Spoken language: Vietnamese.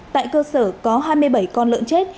tại cơ sở có hai mươi bảy con lợn chết